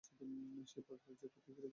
সে পাগলা যে কোথায় ফিরিতেছে তার সন্ধান নাই।